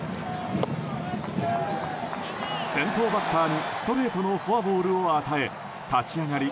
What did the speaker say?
先頭バッターにストレートのフォアボールを与え立ち上がり